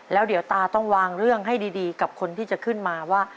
แล้วเดี๋ยวตาต้องวางเรื่องให้ดีกับคนที่จะขึ้นมาว่า